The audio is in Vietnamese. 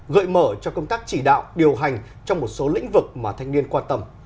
gợi mở cho công tác chỉ đạo điều hành trong một số lĩnh vực mà thanh niên quan tâm